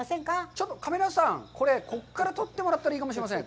ちょっとカメラさん、これここから撮ってもらったらいいかもしれません。